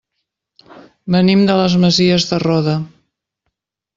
Venim de les Masies de Roda.